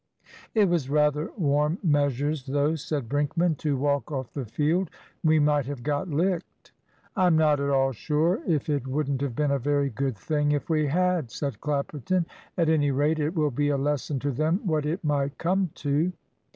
"It was rather warm measures, though," said Brinkman, "to walk off the field. We might have got licked." "I'm not at all sure if it wouldn't have been a very good thing if we had," said Clapperton. "At any rate, it will be a lesson to them what it might come to."